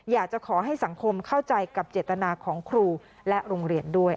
อยากจะขอให้สังคมเข้าใจกับเจตนาของครูและโรงเรียนด้วย